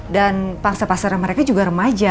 dan pangsa pasaran mereka juga remaja